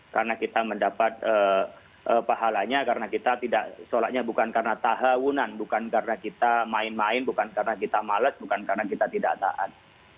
karena kita mendapat pahalanya karena kita tidak sholatnya bukan karena tahawunan bukan karena kita main main bukan karena kita malas bukan karena kita tidak taat